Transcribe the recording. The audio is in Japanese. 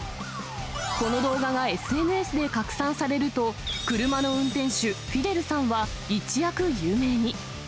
この動画がＳＮＳで拡散されると、車の運転手、フィデルさんは一躍有名に。